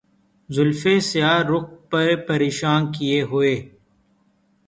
زلفِ سیاہ رُخ پہ پریشاں کیے ہوئے